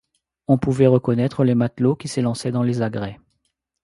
On pouvait reconnaître les matelots qui s’élançaient dans les agrès.